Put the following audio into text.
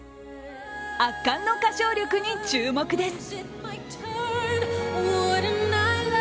圧巻の歌唱力に注目です。